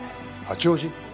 八王子？